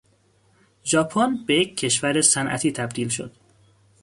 ژاپن به یک کشور صنعتی تبدیل شد.